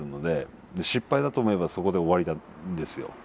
失敗だと思えばそこで終わるんですよ。